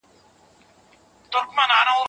زنا د ټولني اخلاق وژني.